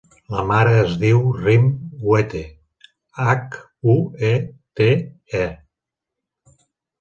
La meva mare es diu Rim Huete: hac, u, e, te, e.